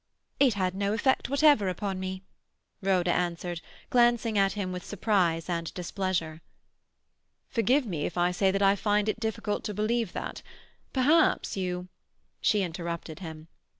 "It has no effect whatever upon me," Rhoda answered, glancing at him with surprise and displeasure. "Forgive me if I say that I find it difficult to believe that. Perhaps you—" She interrupted him.